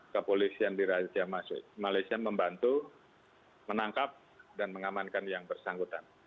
kepolisian di raja malaysia membantu menangkap dan mengamankan yang bersangkutan